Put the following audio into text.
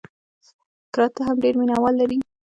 کراته هم ډېر مینه وال لري.